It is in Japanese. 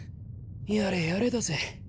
やれやれだぜ。